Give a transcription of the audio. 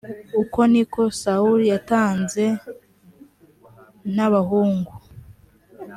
uko ni ko sawuli yatanze n abahungu